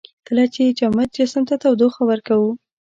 کله چې جامد جسم ته تودوخه ورکوو.